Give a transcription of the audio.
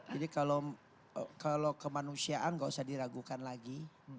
jadi kalau kemanusiaan gak usah diragukan lagi